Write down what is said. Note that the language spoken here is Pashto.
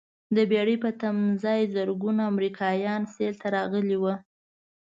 د بېړۍ په تمځاې زرګونه امریکایان سیل ته راغلي ول.